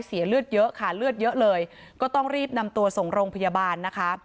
เสียเลือดเยอะค่ะเลือดเยอะเลยก็ต้องรีบนำตัวส่งโรงพยาบาลนะคะ